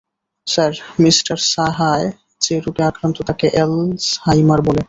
Sarah, mister সাহায় যে রোগে আক্রান্ত তাকে অ্যালজহাইমার বলে।